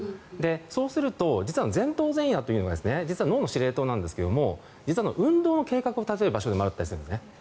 そうすると、前頭前野というのが実は脳の司令塔なんですが実は運動の計画を立てる場所でもあったりするんですね。